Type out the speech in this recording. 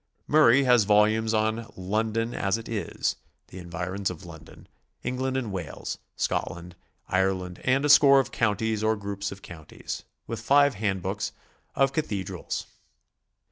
Murray has volumes on "London As It Is"; the Envi rons of London; England and Wales; Scotland; Ireland; and a score of counties or groups of counties; with five hand books of cathedrals.